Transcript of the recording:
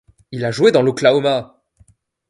Il a joué dans l'Oklahoma!